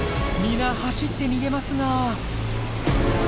皆走って逃げますが。